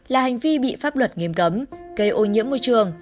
là hành vi bị pháp luật nghiêm cấm gây ô nhiễm môi trường